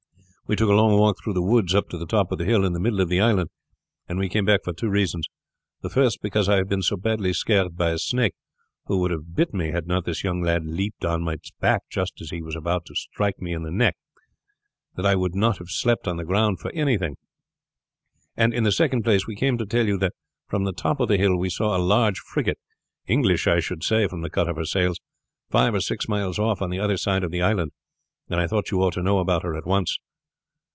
We took a long walk through the woods up to the top of the hill in the middle of the island and we came back for two reasons. The first because I have been so badly scared by a snake, who would have bit me had not this young fellow leaped on to its back just as he was about to strike me in the neck, that I would not have slept on the ground for anything; and, in the second place, we came to tell you that from the top of the hill we saw a large frigate English, I should say, from the cut of her sails five or six miles off on the other side of the island, and I thought you ought to know about her at once."